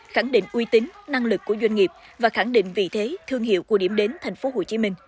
khẳng định uy tín năng lực của doanh nghiệp và khẳng định vị thế thương hiệu của điểm đến tp hcm